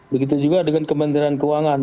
begitu juga dengan kementerian keuangan